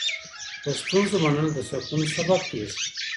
د ستونزو منل د سکون سبب کېږي.